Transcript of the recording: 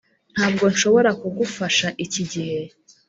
ntabwo nshobora kugufasha iki gihe.